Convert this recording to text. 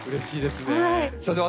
すいません。